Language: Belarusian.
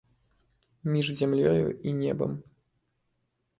Між зямлёю і небам.